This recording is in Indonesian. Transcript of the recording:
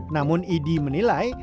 namun idi menilai